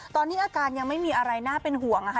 ตอนนี้อาการยังไม่มีอะไรน่าเป็นห่วงนะคะ